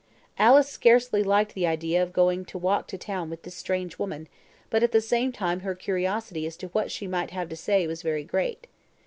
Alice scarcely liked the idea of going to walk to town with this strange woman; but at the same time her curiosity as to what she might have to say was very great.